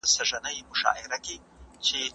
مثبت فکر انرژي نه دروي.